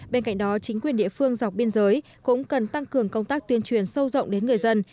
bên cạnh đó chính quyền địa phương dọc biên giới cũng cần tăng cường công tác tuyên truyền sâu rộng đến người dân